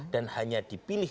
dan hanya dipilih